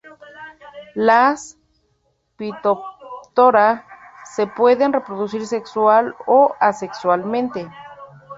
Las "Phytophthora" se pueden reproducir sexual o asexualmente.